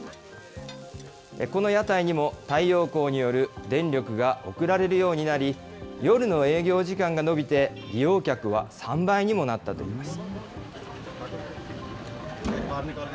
この屋台にも、太陽光による電力が送られるようになり、夜の営業時間が延びて、利用客は３倍にもなったといいます。